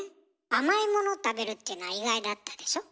甘いもの食べるっていうのは意外だったでしょ。